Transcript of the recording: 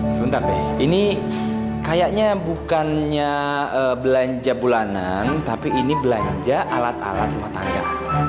sebentar deh ini kayaknya bukannya belanja bulanan tapi ini belanja alat alat rumah tangga